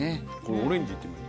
オレンジいってみよう。